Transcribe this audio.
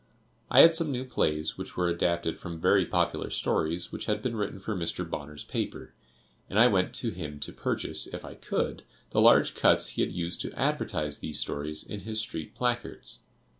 I had some new plays which were adapted from very popular stories which had been written for Mr. Bonner's paper, and I went to him to purchase, if I could, the large cuts he had used to advertise these stories in his street placards.